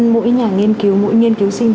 mỗi nhà nghiên cứu mỗi nghiên cứu sinh